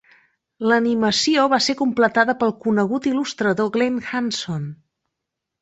L'animació va ser completada pel conegut il·lustrador, Glen Hanson.